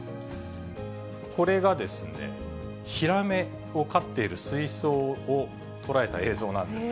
これがですね、ヒラメを飼っている水槽を捉えた映像なんですが。